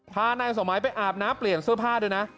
พานายสมัยไปอาบน้ำเปลี่ยนเสื้อผ้าด้วยนะ